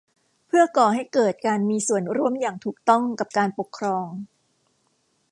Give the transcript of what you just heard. เพื่อก่อให้เกิดการมีส่วนร่วมอย่างถูกต้องกับการปกครอง